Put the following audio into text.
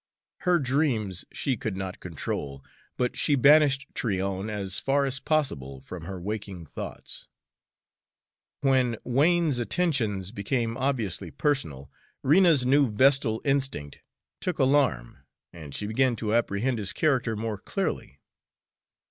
Her dreams she could not control, but she banished Tryon as far as possible from her waking thoughts. When Wain's attentions became obviously personal, Rena's new vestal instinct took alarm, and she began to apprehend his character more clearly.